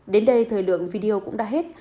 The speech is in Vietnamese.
đến đây thời lượng video cũng đã hết